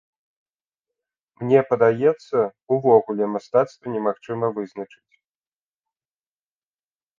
Мне падаецца, увогуле мастацтва немагчыма вызначыць.